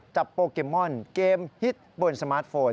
โปเกมอนเกมฮิตบนสมาร์ทโฟน